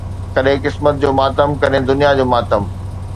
ڪڏهن قسمت جو ماتم، ڪڏهن دنيا جو ماتم